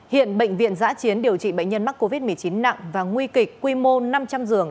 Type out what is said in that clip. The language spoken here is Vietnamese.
hiện bệnh viện giã chiến điều trị bệnh nhân mắc covid một mươi chín nặng và nguy kịch quy mô năm trăm linh giường